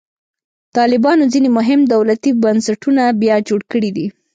طالبانو ځینې مهم دولتي بنسټونه بیا جوړ کړي دي.